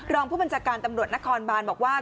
รองผู้บัญชาการตำรวจนครบานบอกว่า